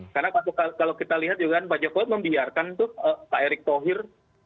karena kalau kita lihat juga pak jokowi membiarkan pak erick tohir